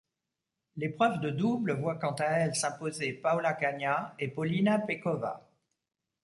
L'épreuve de double voit quant à elle s'imposer Paula Kania et Polina Pekhova.